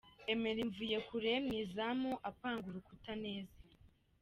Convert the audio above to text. Emery Mvuyekure mu izamu apanga urukuta neza .